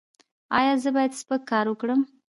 ایا زه باید سپک کار وکړم؟